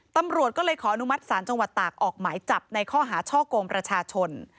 ตำรวจก็เลยขออนุมัติศาลจังหวัดตากออกหมายจับในข้อหาช่อกงประชาชน